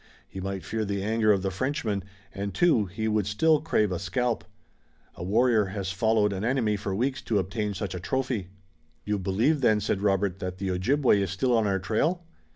He might fear the anger of the Frenchman, and, too, he would still crave a scalp. A warrior has followed an enemy for weeks to obtain such a trophy." "You believe then," said Robert, "that the Ojibway is still on our trail?"